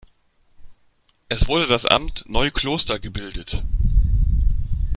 Es wurde das Amt Neukloster gebildet.